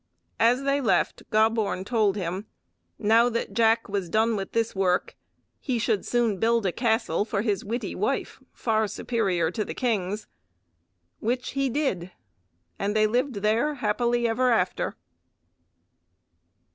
As they left Gobborn told him: Now that Jack was done with this work, he should soon build a castle for his witty wife far superior to the king's, which he did, and they lived there happily ever after.